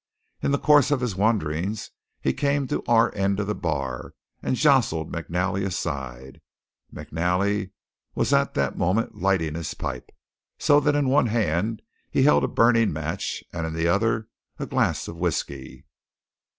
In the course of his wanderings he came to our end of the bar, and jostled McNally aside. McNally was at the moment lighting his pipe, so that in his one hand he held a burning match and in the other a glass of whiskey.